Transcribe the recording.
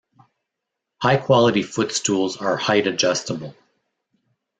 High quality footstools are height-adjustable.